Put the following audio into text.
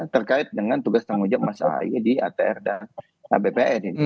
terkait dengan tugas tanggung jawab mas ahy di atr dan bpn